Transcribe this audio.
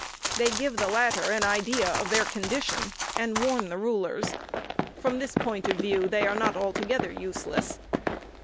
They give the latter an idea of their condition, and warn the rulers. From this point of view, they are not altogether useless.